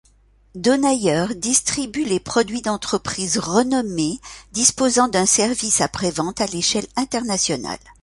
Donauer distribue les produits d’entreprises renommées disposant d’un service après-vente à l’échelle internationale.